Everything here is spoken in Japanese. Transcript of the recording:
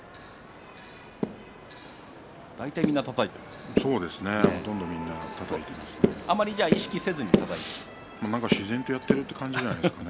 大体みんなたたいていますね。